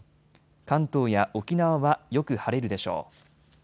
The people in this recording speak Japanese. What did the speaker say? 関東や沖縄はよく晴れるでしょう。